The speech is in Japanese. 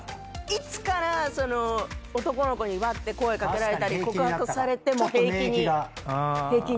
いつから男の子にわって声掛けられたり告白されても平気になりました？